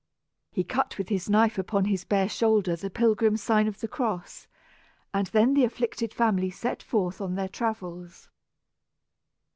He cut with his knife upon his bare shoulder the pilgrim's sign of the cross, and then the afflicted family set forth on their travels.